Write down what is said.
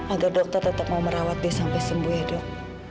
agar dokter tetap mau merawat dia sampai sembuh ya dok